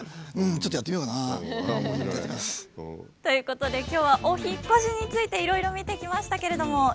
ということで今日はお引っ越しについていろいろ見てきましたけれども。